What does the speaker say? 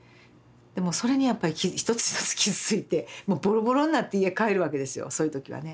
でもうそれにやっぱり一つ一つ傷ついてもうボロボロになって家帰るわけですよそういう時はね。